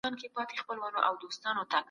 په دوو حالتونو کي به حيران وي